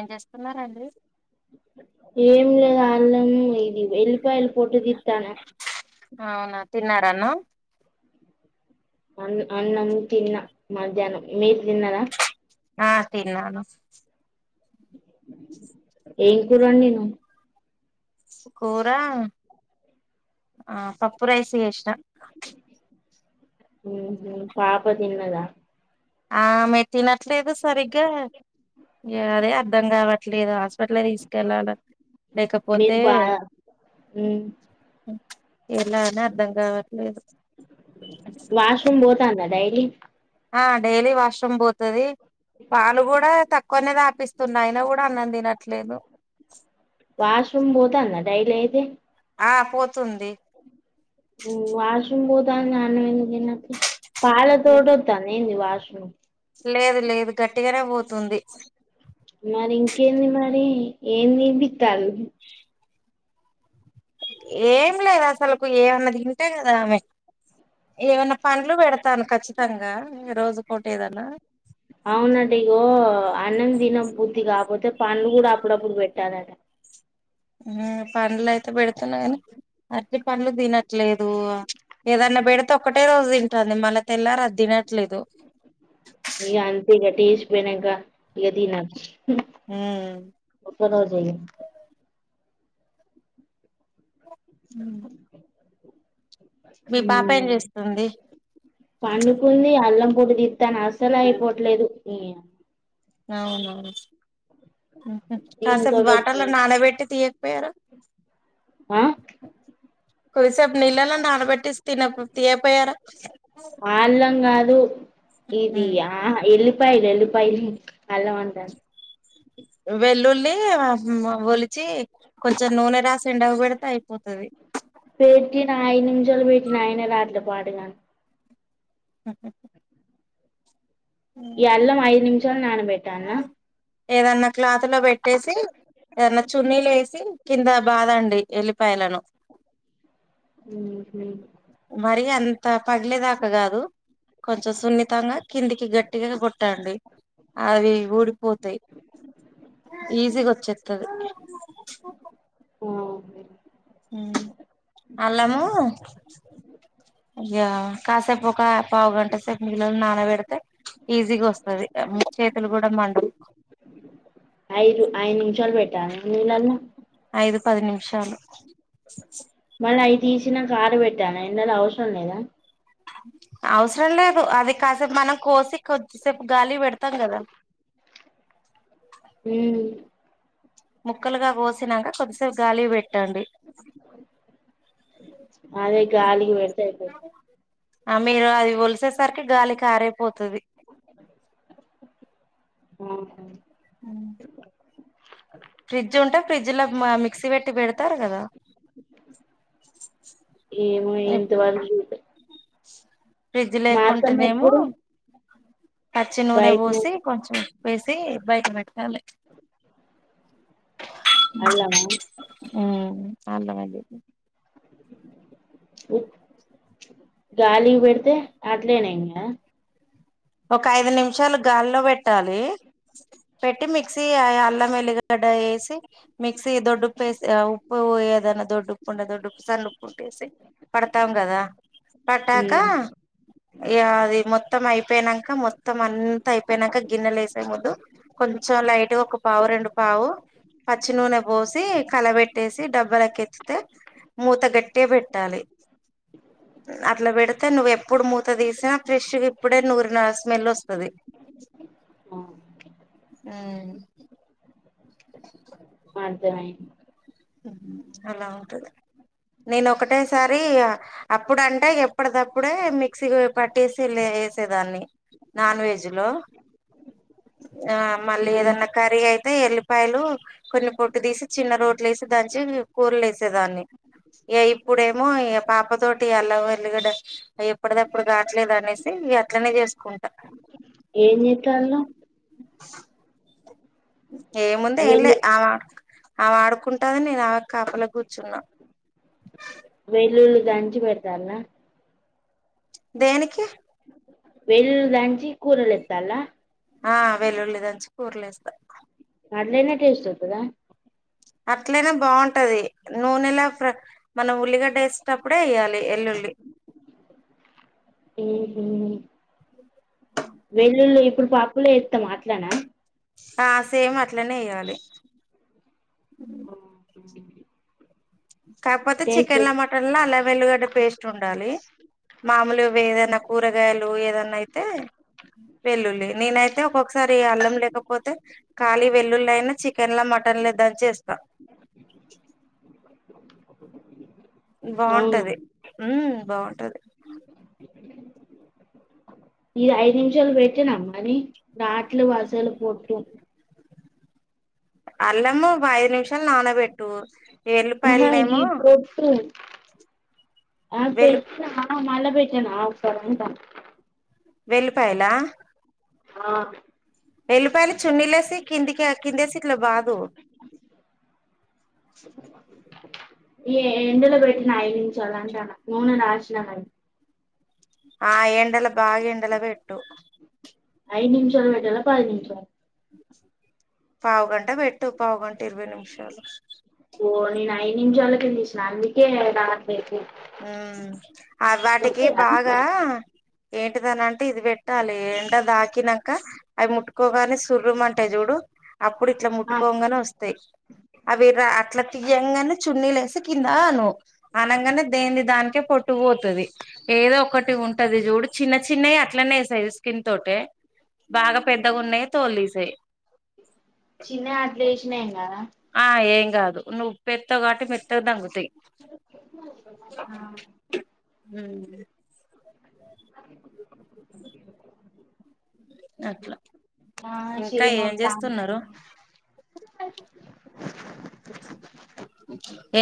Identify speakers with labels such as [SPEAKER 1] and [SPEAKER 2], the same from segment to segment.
[SPEAKER 1] ఏం చేస్తున్నారాండి
[SPEAKER 2] ఏం చేయాలా అల్లం ఇది వెళ్ళిపాయల పోట్టు తిత్తన్న
[SPEAKER 1] అవునా తిన్నారన్న
[SPEAKER 2] అన్న అన్నం తిన్న మధ్యాహ్నం మీరు తిన్నారా
[SPEAKER 1] ఆ తిన్నాను
[SPEAKER 2] ఏం కూర వండినవ్
[SPEAKER 1] కూర ఆ పప్పు రైస్ చేసిన
[SPEAKER 2] ఉహు పాప తిన్నదా
[SPEAKER 1] ఆమె తీనట్లేదు సరిగ్గా అదే అర్ధం కావట్లేదు ఆస ఆట్ల తీసుకెళ్ళాల లేకపోతే
[SPEAKER 2] మీరు బాగా మ్మ్
[SPEAKER 1] ఎలా అనీ అర్థం కావట్లేదు
[SPEAKER 2] వాష్ రూమ్ పోతాంద డైలీ
[SPEAKER 1] ఆ డైలీ వాష్రూమ్ పోతది పాలు కూడా తక్కువనే తాపిస్తున్నా అయినా కూడా అన్నం తినట్లేదు
[SPEAKER 2] వాష్ రూమ్ పోతాంద డైలీ అయితే
[SPEAKER 1] ఆ పోతుంది
[SPEAKER 2] వాష్ రూమ్ పోతంది అన్నం ఎందుకు తినట్లేదు పాలతోటి వత్తాంద ఏంది వాష్ రూమ్
[SPEAKER 1] లేదు లేదు గట్టిగానే పోతుంది
[SPEAKER 2] మరి ఇంకేంది మరి ఏంది తినిపిత్తల్లు
[SPEAKER 1] ఏం లేదు అసలులకు ఏమన్నది తింటే కదా ఆమె ఏమైన్నా పనులు పెడతాను కఖచ్చితంగా రోజుకోటి ఏదనా
[SPEAKER 2] అవునట ఇగో అన్నం తినం బుద్ది కాకపోతే పంలు కూడా అప్పుడప్పుడు పెట్టాలట
[SPEAKER 1] పండ్లు అయితే పెడుతున్నా కానీ అట్లీ పంలు తినట్లేదు ఏదన్నా పెడితే ఒకటే రోజు తంటుంది మళ్ళ తెల్లారిద్దిన
[SPEAKER 2] ఇగ అంతే ఇగ తీస్పోయినక ఇగ దినం ఒక రోజా [inaudible]
[SPEAKER 1] మీ పాప ఏం
[SPEAKER 2] ఉమ్
[SPEAKER 1] చేస్తుంది
[SPEAKER 2] పండుకుంది అల్లం పొడిదిిస్తాను అస్సలు అయిపోవట్లేదు
[SPEAKER 1] అవునవును కాసేపు
[SPEAKER 2] దీనితోటి
[SPEAKER 1] వాటల్లో
[SPEAKER 2] వచ్చింది
[SPEAKER 1] నానబెట్టి తీయకపోయారు
[SPEAKER 2] ఆ
[SPEAKER 1] కొదిసేపు నీళ్ళలో నానాబెట్టి తయపోయార
[SPEAKER 2] అ ఇది ఆ ఎల్లిపాయలు వెల్లిపాయలు అల అంటను
[SPEAKER 1] వెల్లుల్లి ఒలిచి కొంచెం నూనె రాసి ఎండగ పెడితే అయిపోతుది
[SPEAKER 2] పెట్టిన ఐదు నిమిషాలు పెట్టినయన రాట్లో పాడుగాను
[SPEAKER 1] అఓ
[SPEAKER 2] ఈ అల్లం ఐదు నిమిషాలు నానబెట్టా అన్న
[SPEAKER 1] ఏదన్నా క్లాత్ లో పెట్టేసి ఏదన్నా చున్నీలు వేసి కింద బాదండి ఎల్లిపాయలను
[SPEAKER 2] ఊహు
[SPEAKER 1] మరి అంత పగిలేదాకా కాదు కొంచెం సున్నితంగా కిందికి గట్టిగా పట్టండి అవి ఊడిపోతాయి ఈజీ వచ్చేతుది
[SPEAKER 2] ఊ
[SPEAKER 1] అలము కస ఒక పావు గంట సె కిలలు నాన పెడితే ఈజీగా వస్తుది చేతులు కూడా మండవు
[SPEAKER 2] ఆఐ ఆయన ఇన్న
[SPEAKER 1] ఐదు పది నిమిషలు
[SPEAKER 2] అ అయి తీచిన ఆరు పెట్టాను ఎ ఆవసం లేదా
[SPEAKER 1] [unintelligible] అవసరం లేదు అది కాసేపు మనం కోసి కొద్దిసేపు గాలి పెడతాం కదా [unintelligible]
[SPEAKER 2] ఉమ్
[SPEAKER 1] ముక్కలుగా కోసినాక కొద్దిసేపు గాలి పెట్టండి
[SPEAKER 2] అదే గాలికి వెడతాపో
[SPEAKER 1] ఆ మీరు అది వలిసేసరికి గాలి కారైపోతుది
[SPEAKER 2] ఉ హు
[SPEAKER 1] ఫ్రిడ్జ్ ఉంటే ఫ్రిడ్జ్ లో మిక్సీ పెట్టి పెడతారు కదా
[SPEAKER 2] ఏమో ఇంతవ
[SPEAKER 1] ఫ్రిడ్జ్ లేకుంటనేమో
[SPEAKER 2] ఎప్పుడు
[SPEAKER 1] పచ్చి నూనె
[SPEAKER 2] బయటనే
[SPEAKER 1] పోసి కొంచెం వేసి బయట పెట్టాలి
[SPEAKER 2] [inaudible] అలమా
[SPEAKER 1] అవునడి
[SPEAKER 2] ఓ గాలి పెడితే అట్లేనే ఇకా
[SPEAKER 1] ఒక ఐదు నిమిషాలు గాల్లో పెట్టాలి పెట్టి మిక్సీ అల్లం ఎల్లిగడ్డ ఏసి మిక్సీ దొడ్డుప్పు ఏసి ఆ ఉప్పు ఏదన్న దొడ్డుప్పు ఉంటే దొడ్డు ఉప్పు సనుప్పు ఉంటే ఏసి పడ్తాం కదా పట్టాక
[SPEAKER 2] ఉమ్
[SPEAKER 1] ఇగ అది మొత్తం అయి అయిపోయినంక మొత్తం అంత అయిపోయినంక గిన్నెల ఏసే ముందు కొంచెం లైట్గా ఒక పావు రెండు పా పావు పచ్చి నూనె పోసి కలబెట్టేసి డబ్బలకెత్తుతే మూత గట్టిగ పెట్టాలి. అట్ల పెడ్తే నువ్వు ఎప్పుడు మూత తీసినా ఫ్రెష్ ఇప్పుడే నూరిన స్మెల్ వస్తది.
[SPEAKER 2] ఆ,
[SPEAKER 1] మ్
[SPEAKER 2] అర్ధమై
[SPEAKER 1] అలా ఉంటది. నేన్ ఒకటేసారి అప్పుడంటే ఇగ ఎప్పడి దప్పుడే మిక్సీ పట్టేసి లే వేసేదాన్ని నాన్ వెజ్లో ఆ మళ్ళీ
[SPEAKER 2] ఉమ్.
[SPEAKER 1] ఏదన్న కర్రీ అయితే ఎల్లిపాయలు కొన్ని పొట్టు తీసి చిన్న రోట్ ట్లేసి దంచి కూరల ఏసే దాన్ని ఇగ ఇప్పుడేమో పాప తోటి అల్లం ఎల్లిగడ్డ ఎప్పుడిదప్పుడు కావట్లేదు అనేసి ఇగ అట్లనే చేస్కుంటా
[SPEAKER 2] ఏం చేత్తాన్నవ్
[SPEAKER 1] ఏముందే ఏం లే
[SPEAKER 2] వెల్లు
[SPEAKER 1] ఆమ ఆమ ఆడుకుంటాన్ది నేన్ ఆ మక్ కాపల కూర్చున్నా
[SPEAKER 2] వెల్లుల్లి దంచి పెడ్తాన్లా
[SPEAKER 1] దేనికి
[SPEAKER 2] వెల్లుల్లి దంచి కూరల ఏత్తాన్లా
[SPEAKER 1] ఆ వెల్లుల్లి దంచి కూరల ఏస్తా
[SPEAKER 2] అట్లనే టేస్ట్ వస్తదా
[SPEAKER 1] అట్లనే బాగుంటది. నూనెల ఫ్ర మనం ఉల్లిగడ్డ ఏసి టప్పుడే ఏయాలి ఎల్లుల్లి
[SPEAKER 2] వెల్లుల్లి ఐప్పుడు పప్పుల ఏస్తాం అట్లనా
[SPEAKER 1] ఆ సేమ్ అట్లనే ఎయ్యాలి. కాక్పోతే
[SPEAKER 2] టేస్ట్
[SPEAKER 1] చికెన్ల మటన్ల అల్లం ఎల్లిగడ్డ పేస్ట్ ఉండాలి. మామూల్గ వే ఏదన్న కూరగాయలు ఏదన్న అయి అయితే వెల్లుల్లి నేనైతే ఒక్కొక్కసారి అల్లం లేకపోతే కాలి వెల్లుల్లయినా చికెన్ల మటన్ల దంచేస్త.
[SPEAKER 2] అవునా
[SPEAKER 1] బాగుంటది మ్ బాగుంటది
[SPEAKER 2] ఈ ఐదు నిమిషాలు పెట్టిన మని రావట్లేవ్ అసలు ఒట్టు
[SPEAKER 1] అల్లము ఒక ఐదు నిమిషాల్ నాన బె ఇగ
[SPEAKER 2] ఆహా ఇది
[SPEAKER 1] ఎల్లిపాయల్నేమో
[SPEAKER 2] పొట్టు [unintelligible]
[SPEAKER 1] వెళ్లిపాయలా
[SPEAKER 2] ఆ
[SPEAKER 1] ఎల్లిపాయలు చున్నీలేసి కిందికి కిందేసి ఇట్ల బాదు
[SPEAKER 2] ఈ ఎండలో పెట్టిన ఐదు నిమిషాలు అంటన్న నూనె రాసిన గని
[SPEAKER 1] ఆ ఎండలో బాగా ఎండల పెట్టు
[SPEAKER 2] ఐదు నిమిషాల్ పెట్టాలా పది నిమిషాల్
[SPEAKER 1] పావు గంట పెట్టు పావుగంట ఇరవై నిమిషాలు
[SPEAKER 2] నేన్ ఐదు నిమిషాలకే తీసిన అందుకే [unintelligible]
[SPEAKER 1] ఉ ఆ వాటికి
[SPEAKER 2] వత్తదా
[SPEAKER 1] బాగా ఏంటిదని అంటే ఇది పెట్టాలి ఎండదాకినాక అవి ముట్టుకోగానే సుర్రుమంటే చూడు అప్పుడు ఇట్లా
[SPEAKER 2] ఆ
[SPEAKER 1] ముట్టుకోగానే వస్తాయి అవి అట్లా తియ్యంగానే చున్నీ లేసి కిందను అనంగానే దేన్ది దానికే పొట్టు పోతది ఏదో ఒకటి ఉంటది చూడు చిన్న చిన్నవి అట్లనే సైజ కింతోటే బాగా పెద్దగా ఉన్నాయి తొల్ తీసెయ్
[SPEAKER 2] చిన్నగా అట్లా చేసినా ఏం కాదా
[SPEAKER 1] ఆ ఏం కాదు నువ్వు ఉప్పు ఎత్తవ్ కాటి మెత్తగా దంగుతయ్
[SPEAKER 2] ఆ
[SPEAKER 1] ఊ మ్ అట్లా
[SPEAKER 2] ఆ
[SPEAKER 1] ఇంకా
[SPEAKER 2] చేయ
[SPEAKER 1] ఏం
[SPEAKER 2] నోతాంది
[SPEAKER 1] చేస్తున్నారు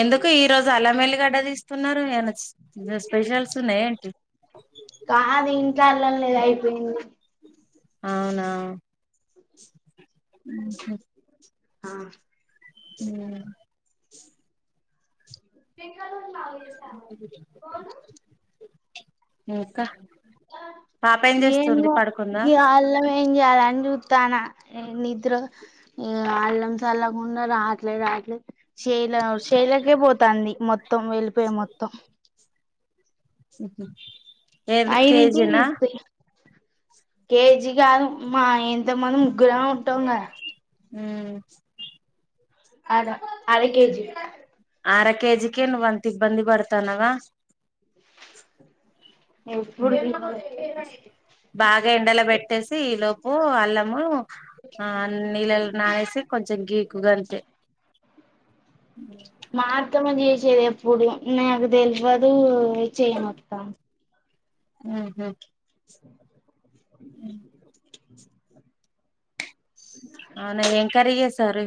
[SPEAKER 1] ఎందుకు ఈ రోజు అల్లమెల్లిగడ్డ తీస్ స్తున్నారు ఏనా స్పెషల్స్ ఉన్నాయా ఏంటి
[SPEAKER 2] కాదు ఇంట్ల అల్లం లేదు అయిపోయింది
[SPEAKER 1] అవునా ఉమ్ హు
[SPEAKER 2] ఆ
[SPEAKER 1] ఉమ్
[SPEAKER 2] ఇంకను
[SPEAKER 1] ఇంకా పాప ఏం చేస్తుంది
[SPEAKER 2] ఏందో
[SPEAKER 1] పడుకుందా
[SPEAKER 2] గి అల్లమే ఏం చేయాలని చుతాన్న నిద్ర అల్లం సల్లాకున్నా అట్లే రాట్లే చేల చేలకే పోతాంది మొత్తం వెళ్ళిపోయి మొత్తం
[SPEAKER 1] ఉమ్ హు
[SPEAKER 2] అయి రితి ఇప్పి కేేజీ కాదు మా ఎంత మంది ముగ్గుర ఉంటంగా
[SPEAKER 1] ఉమ్
[SPEAKER 2] అర అర కేజీ
[SPEAKER 1] అర కేజికే నువ్వంత ఇబ్బంది పడుతున్నావ
[SPEAKER 2] ఎప్పుడు
[SPEAKER 1] బాగా ఎండలో పెట్టేసి ఈ లోపు అల్లము ఆ నీళ్ళలు నానేసి కొంచెం గీకు గంతే మ్
[SPEAKER 2] మా అత్తమ్మ చేసేది ఎప్పుడు నాకు తెల్వదు ఈ చేయ నోత్తం
[SPEAKER 1] ఉమ్ హు మ్ అవునా ఏం కర్రీ చేసారు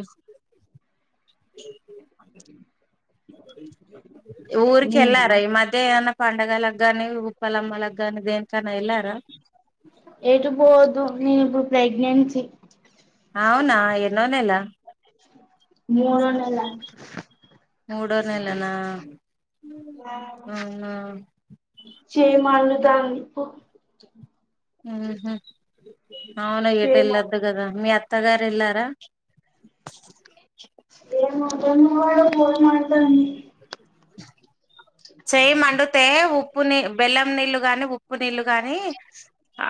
[SPEAKER 2] నేనా
[SPEAKER 1] ఊరికెళ్ళారా ఈ మధ్య పండగలకు గాని ఉప్పలమ్మాలకి గాని దేనికన్నా వెళ్ళారా
[SPEAKER 2] తో నేను ఇప్పుడు ప్రెగ్నెన్సీ
[SPEAKER 1] అవునా ఎన్నో నెల
[SPEAKER 2] మూడో నెల
[SPEAKER 1] మూడో నెలనా
[SPEAKER 2] అవును
[SPEAKER 1] అవునా
[SPEAKER 2] చేయ మండుతాంది పో
[SPEAKER 1] ఉ హు అవున ఎటు
[SPEAKER 2] చేయి
[SPEAKER 1] ఎ లద్దు కదా మీ అత్ అత్తగారు ఎల్లారా
[SPEAKER 2] మా అత్తమ్మ కూడా ఫోన్ మాట్లాడింది
[SPEAKER 1] చేయి మండుతే ఉప్పు నీ బెల్లం నీళ్ళు గాని ఉప్పు నీళ్ళు గాని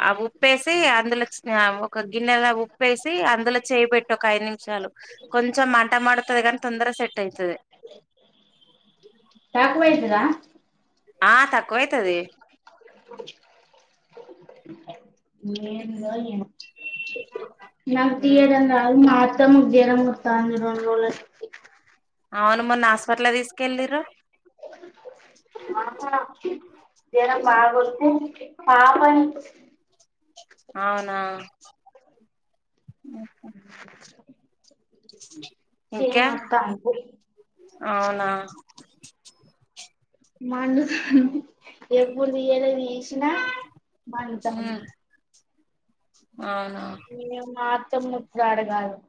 [SPEAKER 1] ఆవుప్ ఉప్పేసి అందులో చి ఒక గిన్నెలా ఉప్పేసి అందులో చేయిబెట్టి ఒక ఐదు నిమిషాలు కొంచెం మంట మండుతది గనీ తొందర సెట్ అయితది
[SPEAKER 2] టకువయతద
[SPEAKER 1] ఆ తక్కువయితది
[SPEAKER 2] ఏందో ఏమో నాకు తీయడం రాదు మా అత్తమ్మ కి జరమోతంది రొండ్రులనుంచి
[SPEAKER 1] అవును మొన్న హాస్పట్ల్ కి తీసుకెళ్ళిర్రు
[SPEAKER 2] ఆ జరం బాగోత్తే పాపని
[SPEAKER 1] అవునా
[SPEAKER 2] చేయి
[SPEAKER 1] ఇంకే
[SPEAKER 2] నొత్తాంది
[SPEAKER 1] అవునా
[SPEAKER 2] ఎప్పుడు తెయలేదు ఈ కషిన మానితా నీ
[SPEAKER 1] అవునా
[SPEAKER 2] మేమ్ మాత్రం వొచ్చి అడగాలి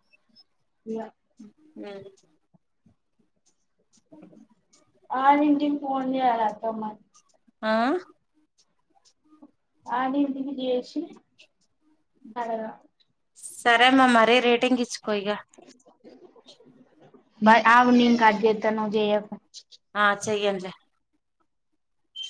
[SPEAKER 1] మ్
[SPEAKER 2] ఆరింటికి ఫోన్ చేయలక్క మళ్ళీ
[SPEAKER 1] ఆ
[SPEAKER 2] ఆరింటికి చేసి కలరా
[SPEAKER 1] సరే అమ్ మరీ రేటింగ్ ఇచ్చుకో ఇగ
[SPEAKER 2] ఆగు నేన్ కాట్ చేతా నువ్వు చేయకు
[SPEAKER 1] ఆ చెయ్యన్ లే